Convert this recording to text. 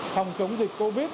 phòng chống dịch covid